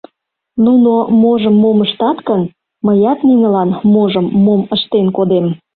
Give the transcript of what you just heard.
Нуно можым мом ыштат гын, мыят нинылан можым мом ыштен кодем!